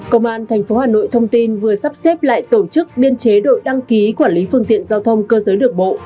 công an tp hà nội thông tin vừa sắp xếp lại tổ chức biên chế đội đăng ký quản lý phương tiện giao thông cơ giới được bộ